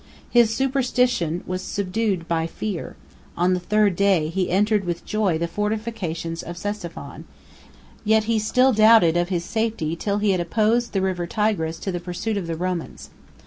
105 His superstition was subdued by fear: on the third day, he entered with joy the fortifications of Ctesiphon; yet he still doubted of his safety till he had opposed the River Tigris to the pursuit of the Romans.